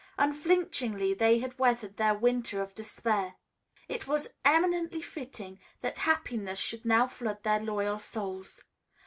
Unflinchingly they had weathered their winter of despair. It was eminently fitting that happiness should now flood their loyal souls.